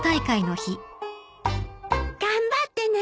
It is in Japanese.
頑張ってね。